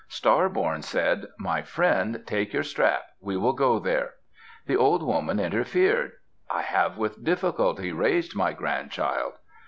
Star born said, "My friend, take your strap; we will go there." The old woman interfered: "I have with difficulty raised my grandchild."